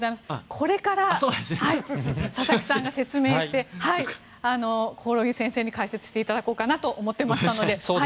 これから佐々木さんが説明して興梠先生に解説してもらおうかなと思っていましたので。